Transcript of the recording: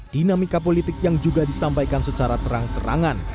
dinamika politik yang juga disampaikan secara terang terangan